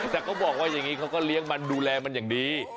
แต่เขาบอกว่าอย่างนี้เขาก็เลี้ยงมันดูแลมันอย่างดี